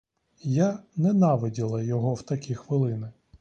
Я ненавиділа його в такі хвилини.